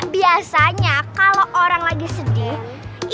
biasanya kalau orang lagi sedih